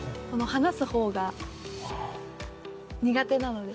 話すほうが苦手なので。